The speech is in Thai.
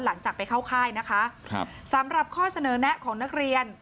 หลังจากไปเข้าค่ายนะคะครับสำหรับข้อเสนอแนะของนักเรียน